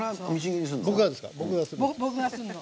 僕がするの？